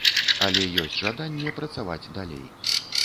Але ёсць жаданне працаваць далей.